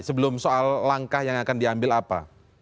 sebelum soal langkah yang akan diambil apa